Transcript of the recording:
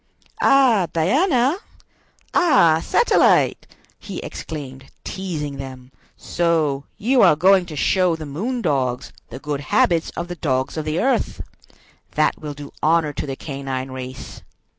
"Ah, Diana! Ah, Satellite!" he exclaimed, teasing them; "so you are going to show the moon dogs the good habits of the dogs of the earth! That will do honor to the canine race!